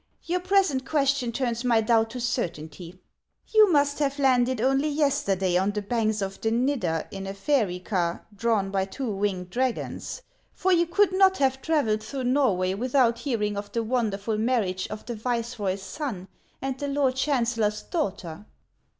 Your present question turns my doubt to certainty. You must have landed only yesterday on the banks of the Nidder in a fairy car drawn by two winged dragons ; for you could not have travelled through Norway without hearing of the wonderful marriage of the viceroy's son and the lord chancellor's daughter.